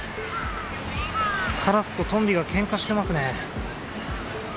カラスとトンビがけんかしてますね。